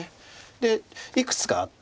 でいくつかあって。